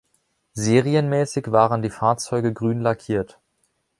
Serienmäßig waren die Fahrzeuge grün lackiert.